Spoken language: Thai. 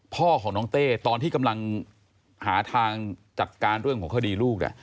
พ่อของน้องเต้ตอนที่กำลังหาทางจัดการเรื่องของคดีลูก